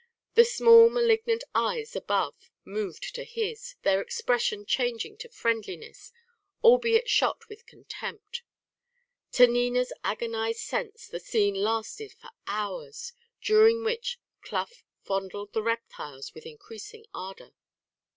The small malignant eyes above moved to his, their expression changing to friendliness, albeit shot with contempt. To Nina's agonised sense the scene lasted for hours, during which Clough fondled the reptiles with increasing ardour.